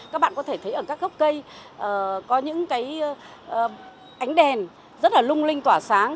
các bạn có thể thấy ở các gốc cây có những cái ánh đèn rất là lung linh tỏa sáng